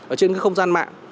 ở trên cái không gian mạng